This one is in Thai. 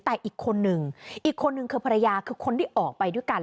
แต่อีกคนนึงอีกคนนึงคือภรรยาคือคนที่ออกไปด้วยกัน